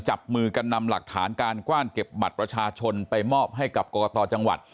จับมือกันนำหลักฐานการกว้านเก็บบัตรประชาชนไปมอบให้กับกรกตจังหวัด